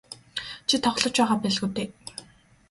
Чи тоглож байгаа байлгүй дээ.